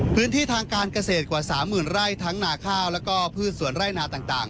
พื้นที่ทางการเกษตรกว่า๓๐๐๐ไร่ทั้งนาข้าวแล้วก็พืชสวนไร่นาต่าง